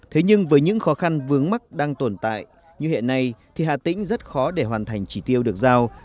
thế nhưng với những khó khăn vướng mắt đang tồn tại như hiện nay thì hà tĩnh rất khó để hoàn thành chỉ tiêu được giao